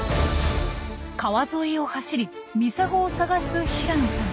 川沿いを走りミサゴを探す平野さん。